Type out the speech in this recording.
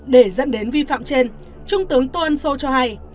để dẫn đến vi phạm trên trung tướng tôn sô cho hay